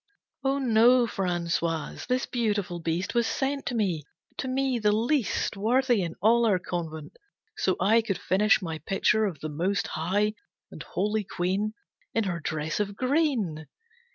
"Oh, no, Francois, this beautiful beast Was sent to me, to me the least Worthy in all our convent, so I Could finish my picture of the Most High And Holy Queen, In her dress of green.